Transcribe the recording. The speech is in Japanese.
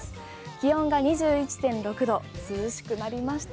気温が２１．６度涼しくなりました。